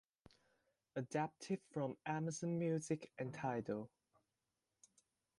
Adapted from Amazon Music and Tidal.